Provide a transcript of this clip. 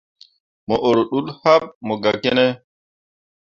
Mo ur ḍul happe mo gah ki ne.